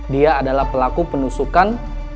dia adalah pelaku penusukan